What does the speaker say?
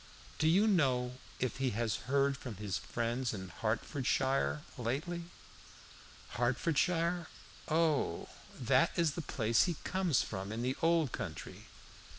"Do you know if he has heard from his friends in Hertfordshire lately?" "Hertfordshire? O, that is the place he comes from in the Old Country.